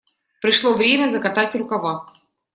Пришло время закатать рукава.